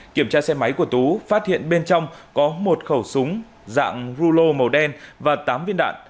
kiểm tra xe máy của tú phát hiện bên trong có một khẩu súng dạng rulo màu đen và tám viên đạn